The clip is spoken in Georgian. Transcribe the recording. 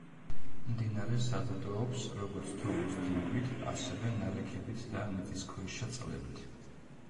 მდინარე საზრდოობს, როგორც თოვლის დნობით, ასევე ნალექებით და მიწისქვეშა წყლებით.